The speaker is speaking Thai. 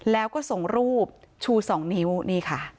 แล้วก็ส่งรูปชู๒นิ้วนี่ค่ะ